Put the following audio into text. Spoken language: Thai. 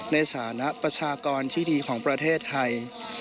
ในฐานะประชากรที่ดีของประเทศไทย